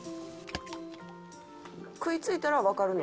食いついたらわかるの？